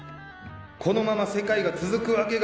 このまま世界が続くわけがない。